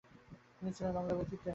তিনি ছিলেন নোংরা ব্যক্তিত্বের একজন।